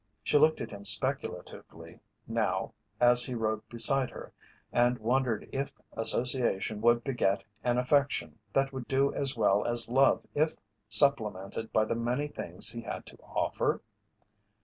She looked at him speculatively now as he rode beside her and wondered if association would beget an affection that would do as well as love if supplemented by the many things he had to offer?